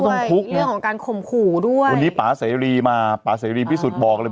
คุกเรื่องของการข่มขู่ด้วยวันนี้ป่าเสรีมาป่าเสรีพิสุทธิ์บอกเลย